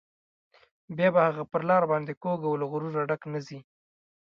بیا به هغه پر لار باندې کوږ او له غروره ډک نه ځي.